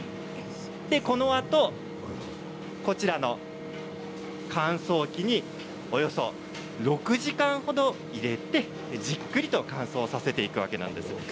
このあと、こちらの乾燥機におよそ６時間ほど入れてじっくりと乾燥させていくわけなんです。